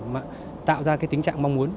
để tạo ra tính trạng mong muốn